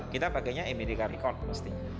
kita bagainya e medical record pastinya